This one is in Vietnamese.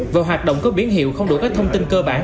và hoạt động có biến hiệu không đủ các thông tin cơ bản